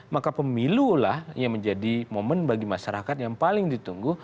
maka pemilulah yang menjadi momen bagi masyarakat yang paling ditunggu